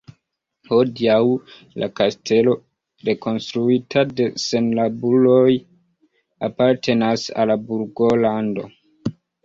Hodiaŭ la kastelo, rekonstruita de senlaboruloj, apartenas al Burgolando.